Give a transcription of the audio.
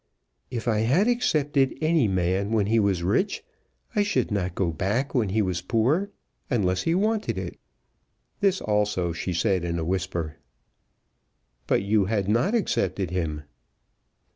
"If I had accepted any man when he was rich, I should not go back when he was poor, unless he wanted it." This also she said in a whisper. "But you had not accepted him."